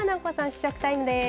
試食タイムです。